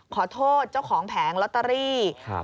ขอโทษเจ้าของแผงลอตเตอรี่